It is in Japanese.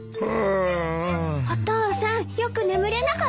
お父さんよく眠れなかったの？